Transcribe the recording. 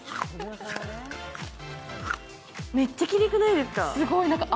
めっちゃきれいくないですか。